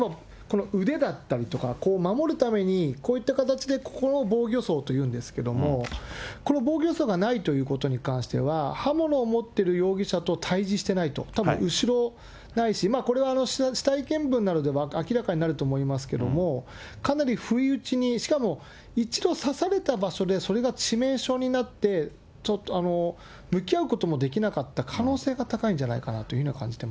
例えば腕だったりとか、こう、守るために、こういった形でここを防御創というんですけれども、この防御創がないということに関しては、刃物を持っている容疑者と対じしてないと、たぶん後ろないし、これは死体検分などで明らかになると思いますけれども、かなり不意打ちに、しかも一度刺された場所で、それが致命傷になって、向き合うこともできなかった可能性が高いんじゃないかと感じてま